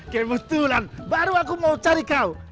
kebetulan baru aku mau cari kau